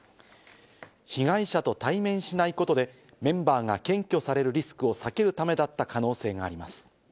被害者と対面しないことで、メンバーが検挙されるリスクを避けるためだった可能性があります。